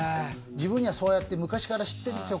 自分にはそうやって昔から知ってるんですよ